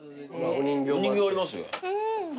お人形ありますよ。